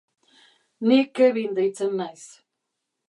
Ni Kevin deitzen naiz.